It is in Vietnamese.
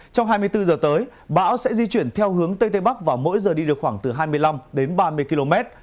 trong hai mươi bốn h tới bão sẽ di chuyển theo hướng tây tây bắc và mỗi giờ đi được khoảng từ hai mươi năm đến ba mươi km